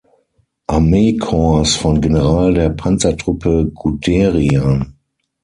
Armeekorps von General der Panzertruppe Guderian.